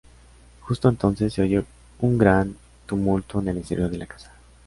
Justo entonces, se oye un gran tumulto en el exterior de la casa.